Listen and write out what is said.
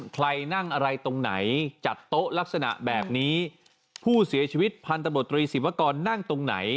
ใครนั่งอะไรตรงไหนจัดโต๊ะลักษณะแบบนี้ผู้เสียชีวิตพันธบตรีศิวากรนั่งตรงไหน